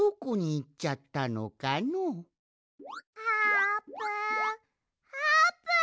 あーぷん。